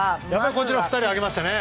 こちらの２人を挙げましたね。